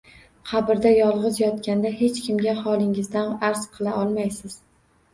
Qabrda yolg‘iz yotganda hech kimga holingizdan arz qila olmaysiz